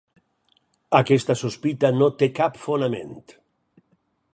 Aquesta sospita no té cap fonament.